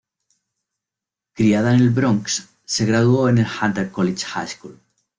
Criada en el Bronx, se graduó en el Hunter College High School.